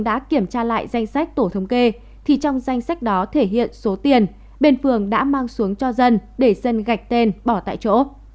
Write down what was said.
đã kiểm tra lại danh sách tổ thống kê thì trong danh sách đó thể hiện số tiền bên phường đã mang xuống cho dân để dân gạch tên bỏ tại chỗ